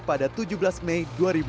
pada tujuh belas mei dua ribu dua puluh